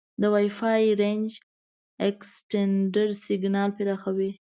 د وای فای رینج اکسټینډر سیګنال پراخوي.